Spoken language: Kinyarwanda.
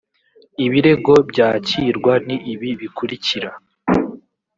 ibirego byakirwa ni ibi bikurikira